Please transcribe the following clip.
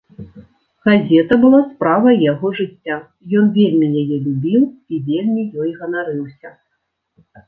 Газета была справай яго жыцця, ён вельмі яе любіў і вельмі ёй ганарыўся.